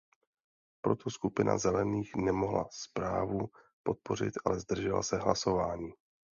Proto skupina Zelených nemohla zprávu podpořit, ale zdržela se hlasování.